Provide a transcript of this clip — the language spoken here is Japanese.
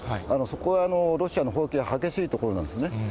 そこはロシアの砲撃が激しい所なんですね。